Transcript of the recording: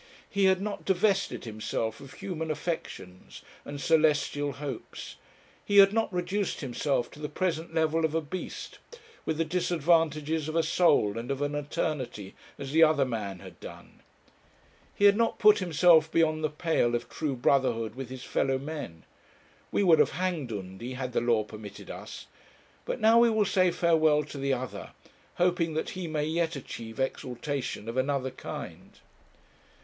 He had not divested himself of human affections and celestial hopes. He had not reduced himself to the present level of a beast, with the disadvantages of a soul and of an eternity, as the other man had done. He had not put himself beyond the pale of true brotherhood with his fellow men. We would have hanged Undy had the law permitted us; but now we will say farewell to the other, hoping that he may yet achieve exaltation of another kind.